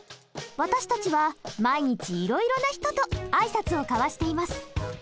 私たちは毎日いろいろな人と挨拶を交わしています。